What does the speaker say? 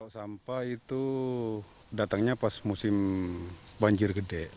sampah itu datangnya pas musim banjir gede